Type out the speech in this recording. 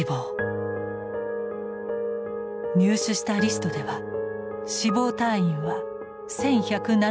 入手したリストでは死亡退院は１，１７４人。